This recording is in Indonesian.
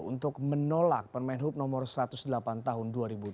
untuk menolak permain hub no satu ratus delapan tahun dua ribu tujuh belas